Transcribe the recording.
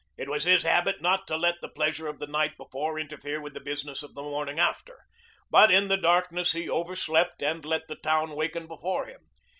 It was his habit not to let the pleasure of the night before interfere with the business of the morning after. But in the darkness he overslept and let the town waken before him.